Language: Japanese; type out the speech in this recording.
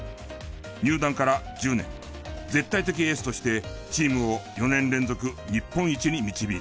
入団から１０年絶対的エースとしてチームを４年連続日本一に導いた。